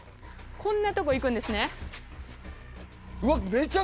こんなとこ行くんですね